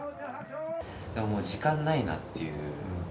もう時間ないなっていう。